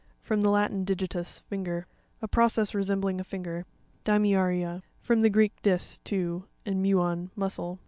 —From the Latin, digi ius, finger. A process resembling a finger. Dinmya'r1a.—From the Greek, dis, two, and muén, muscle.